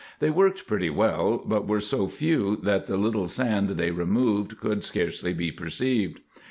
They worked pretty well, but were so few that the little sand they removed could scarcely be perceived.